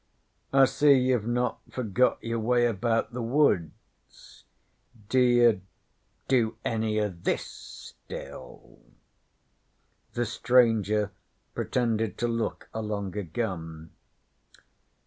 'I see you've not forgot your way about the woods. D'ye do any o' this still?' The stranger pretended to look along a gun.